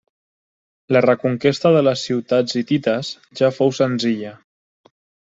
La reconquesta de les ciutats hitites ja fou senzilla.